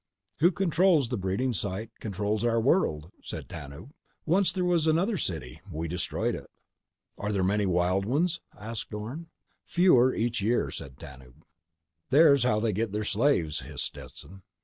_ "Who controls the breeding sites controls our world," said Tanub. "Once there was another city. We destroyed it." "Are there many ... wild ones?" asked Orne. "Fewer each year," said Tanub. "There's how they get their slaves," hissed Stetson.